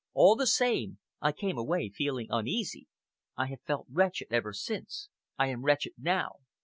All the same, I came away feeling uneasy. I have felt wretched ever since. I am wretched now.